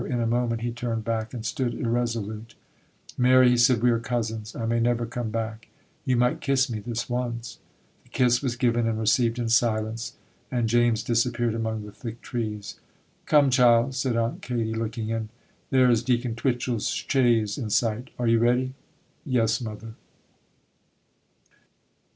In a moment he turned back and stood irresolute. 'Mary,' he said, 'we are cousins; I may never come back: you might kiss me this once.' The kiss was given and received in silence, and James disappeared among the thick trees. 'Come, child,' said Aunt Katy, looking in, 'there is Deacon Twitchel's chaise in sight,—are you ready?' 'Yes, mother.